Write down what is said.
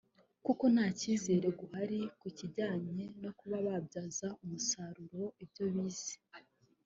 kuko nta cyizere guhari kijyanye no kuba babyaza umusaruro ibyo bize